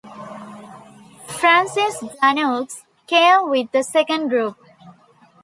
Francis Janeaux came with the second group.